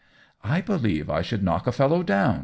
*^" I believe I should knock a fellow down